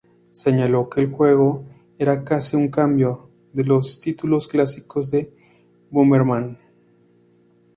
Señaló que el juego era "casi sin cambios" de los títulos clásicos de "Bomberman".